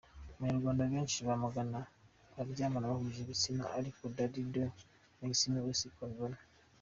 Abanyarwanda benshi bamagana abaryamana bahuje ibitsina ariko Dady de Maximo we si ko abibona.